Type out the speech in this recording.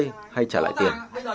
chú phải cam kết với cháu là chọn cây